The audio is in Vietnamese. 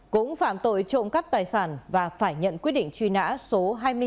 cũng phạm tội trộm cắp tài sản và phải nhận quyết định truy nã số hai mươi bảy